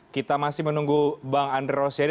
kita masih menunggu bang andre rosiade